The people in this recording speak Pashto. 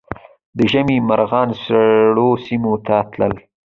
د ژمي مرغان سړو سیمو ته تلل